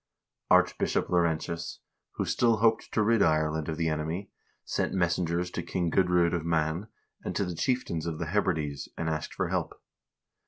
Archbishop Laurentius, who still hoped to rid Ireland of the enemy, sent messengers to King Gudr0d of Man, and to the chief tains of the Hebrides, and asked for help.